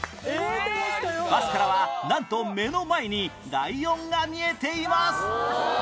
バスからはなんと目の前にライオンが見えています